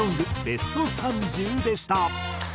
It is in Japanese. ベスト３０でした。